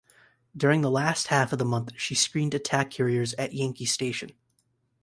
During the last half of the month she screened attack carriers at Yankee Station.